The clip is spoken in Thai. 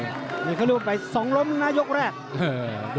นี่เขาเรียกว่าไปสองล้มนะยกแรก